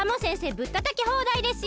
ぶったたきほうだいですよ。